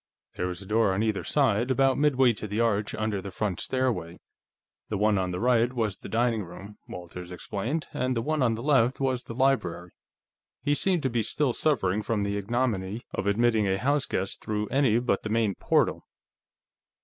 There was a door on either side, about midway to the arch under the front stairway; the one on the right was the dining room, Walters explained, and the one on the left was the library. He seemed to be still suffering from the ignominy of admitting a house guest through any but the main portal.